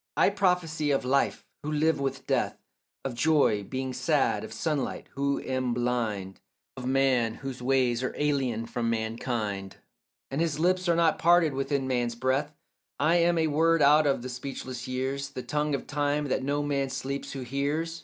I prophesy of life, who live with death; Of joy, being sad; of sunlight, who am blind; Of man, whose ways are alien from mankind And his lips are not parted with man's breath; I am a word out of the speechless years, The tongue of time, that no man sleeps who hears.